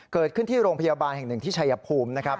เกิดขึ้นที่โรงพยาบาลหนึ่งที่ชัยภูมิ